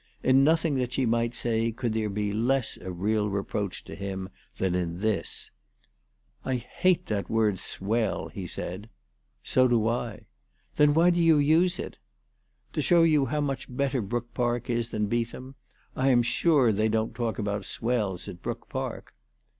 In nothing that she might say could there be less of real reproach to him than in this, " I hate that word ' swell/ " he said. "So do I." " Then why do you use it ?"" To show you how much better Brook Park is than Beetham. I am sure they don't talk about swells at Brook Park."